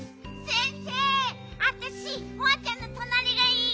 先生わたしホワちゃんのとなりがいい！